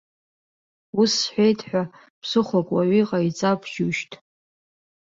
Ус сҳәеит ҳәа, ԥсыхәак уаҩы иҟаиҵап, џьушьҭ.